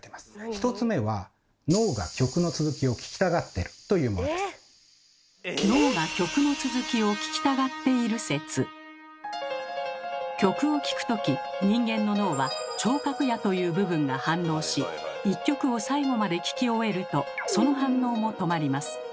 １つ目は曲を聞くとき人間の脳は「聴覚野」という部分が反応し１曲を最後まで聞き終えるとその反応も止まります。